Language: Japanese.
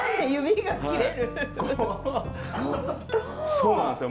そうなんですよ。